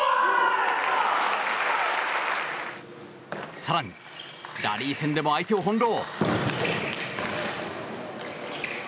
更にラリー戦でも相手を翻弄。